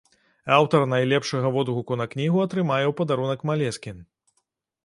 Аўтар найлепшага водгуку на кнігу атрымае ў падарунак малескін.